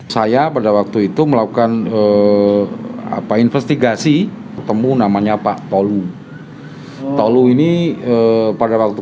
saya pada waktu itu melakukan apa investigasi ketemu namanya pak paulu talu ini pada waktu